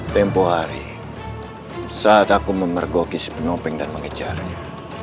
tempoh hari saat aku memergoki si penopeng dan mengejarnya